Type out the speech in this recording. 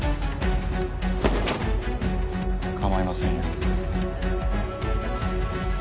かまいませんよ。